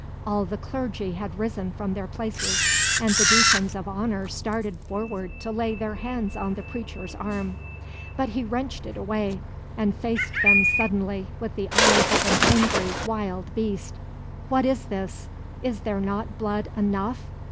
All the clergy had risen from their places, and the deacons of honour started forward to lay their hands on the preacher's arm. But he wrenched it away, and faced them suddenly, with the eyes of an angry wild beast. "What is this? Is there not blood enough?